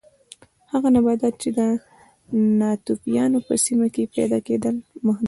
هغه نباتات چې د ناتوفیانو په سیمه کې پیدا کېدل محدود نه و